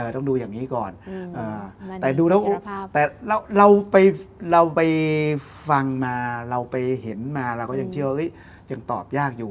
ต้องดูอย่างนี้ก่อนแต่ดูแล้วแต่เราไปฟังมาเราไปเห็นมาเราก็ยังเชื่อว่ายังตอบยากอยู่